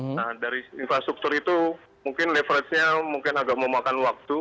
nah dari infrastruktur itu mungkin leverage nya mungkin agak memakan waktu